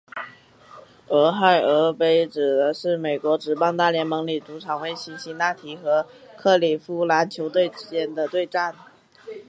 俄亥俄杯指的是美国职棒大联盟里主场位于辛辛那提和克里夫兰球队间的对战。